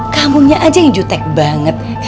kamunya aja yang jutek banget